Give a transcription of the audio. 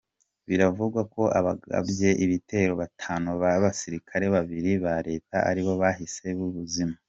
Biravugwa ko abagabye ibitero batanu n’abasirikare babiri ba Leta aribo bahasize ubuzima.